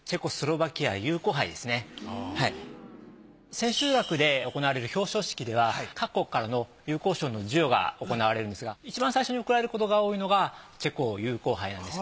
千秋楽で行われる表彰式では各国からの友好賞の授与が行われるんですがいちばん最初に贈られることが多いのがチェコ友好杯なんです。